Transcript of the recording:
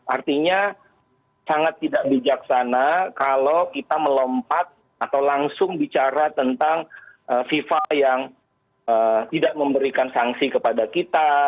artinya sangat tidak bijaksana kalau kita melompat atau langsung bicara tentang fifa yang tidak memberikan sanksi kepada kita